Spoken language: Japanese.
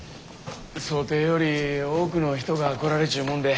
想定より多くの人が来られちゅうもんで。